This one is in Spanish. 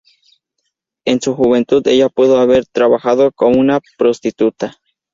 En su juventud ella pudo haber trabajado como una prostituta.